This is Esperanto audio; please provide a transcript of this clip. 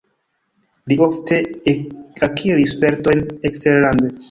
Li ofte akiris spertojn eksterlande.